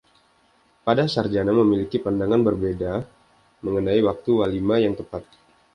Para sarjana memiliki pandangan berbeda mengenai waktu "walima" yang tepat.